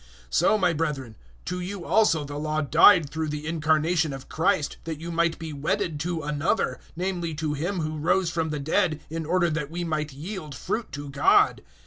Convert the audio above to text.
007:004 So, my brethren, to you also the Law died through the incarnation of Christ, that you might be wedded to Another, namely to Him who rose from the dead in order that we might yield fruit to God.